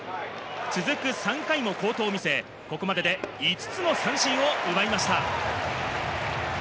続く３回も好投を見せ、ここまでて５つの三振を奪いました。